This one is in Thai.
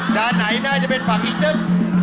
จานไหนน่าจะเป็นผักอีซึก